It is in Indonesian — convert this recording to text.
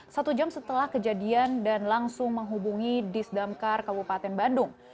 satu jam setelah kejadian dan langsung menghubungi dis damkar kabupaten bandung